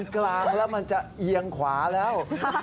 กลางแล้วมันจะเอียงขวาแล้ว